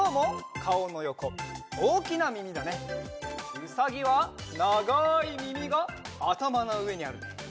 うさぎはながいみみがあたまのうえにあるね。